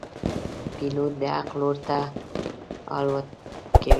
پیلوټ د حق لور ته الوت کوي.